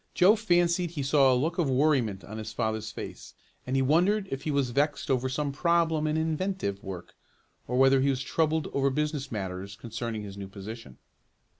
Joe fancied he saw a look of worriment on his father's face, and he wondered if he was vexed over some problem in inventive work, or whether he was troubled over business matters concerning his new position.